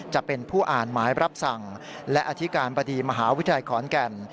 จะเป็นผู้อ่านหมายรับสั่งและอธิการบดีมหาวิทยาลัยขอนแก่น